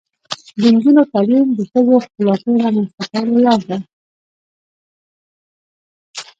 د نجونو تعلیم د ښځو خپلواکۍ رامنځته کولو لاره ده.